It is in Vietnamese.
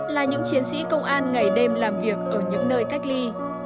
là những chiến sĩ công an ngày đêm làm việc ở những nơi cách ly